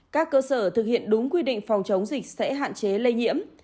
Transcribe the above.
các cơ sở thực hiện đúng quy định phòng chống dịch sẽ hạn chế lây nhiễm